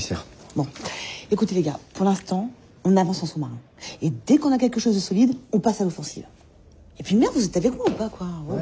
もう。